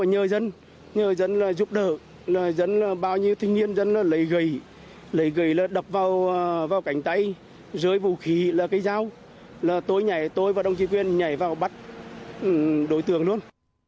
nhờ dân là giúp đỡ bao nhiêu thanh niên dân lấy gầy lấy gầy là đập vào cảnh tay dưới vũ khí là cái dao là tôi và đồng chí quyền nhảy vào bắt đối tượng luôn